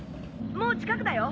もう近くだよ